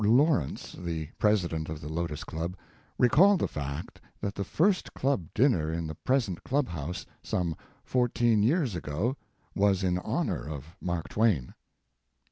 Lawrence, the President of the Lotos Club, recalled the fact that the first club dinner in the present club house, some fourteen years ago, was in honor of Mark Twain.